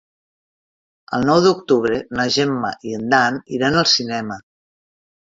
El nou d'octubre na Gemma i en Dan iran al cinema.